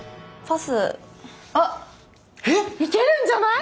あいけるんじゃない？